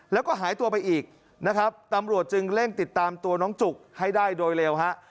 แล้วก็หายตัวไปอีกนะครับตำรวจจึงเร่งติดตามตัวน้องจุกให้ได้โดยเร็วฮะ